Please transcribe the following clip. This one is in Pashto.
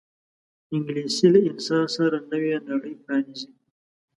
انګلیسي له انسان سره نوې نړۍ پرانیزي